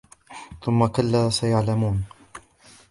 ثم كلا سيعلمون